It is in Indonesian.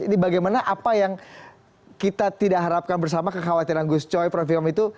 ini bagaimana apa yang kita tidak harapkan bersama kekhawatiran gus coy prof imam itu